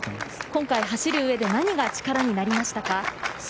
今回、走るうえで何が力になりましたか？